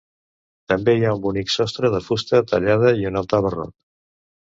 També hi ha un bonic sostre de fusta tallada i un altar barroc.